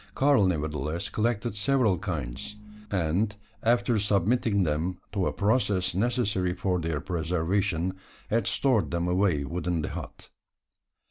Karl nevertheless collected several kinds; and, after submitting them to a process necessary for their preservation, had stored them away within the hut.